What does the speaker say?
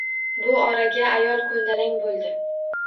Bu oraga ayol ko‘ndalang bo‘ldi.